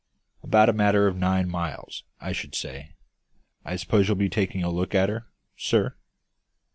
"About a matter of nine miles, I should say. I suppose you'll be taking a look at her, sir?"